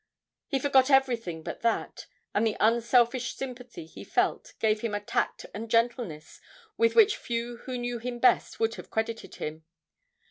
He forgot everything but that, and the unselfish sympathy he felt gave him a tact and gentleness with which few who knew him best would have credited him.